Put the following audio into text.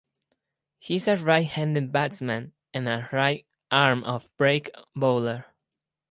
He is a right-handed batsman and a right-arm off-break bowler.